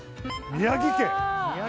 宮城県！